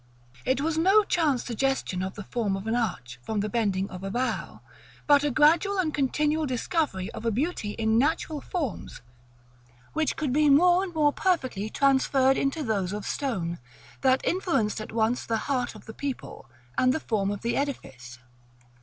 It was no chance suggestion of the form of an arch from the bending of a bough, but a gradual and continual discovery of a beauty in natural forms which could be more and more perfectly transferred into those of stone, that influenced at once the heart of the people, and the form of the edifice.